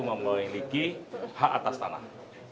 memiliki hak atas tanah